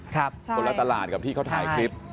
คนละตลาดกับที่เขาถ่ายคลิป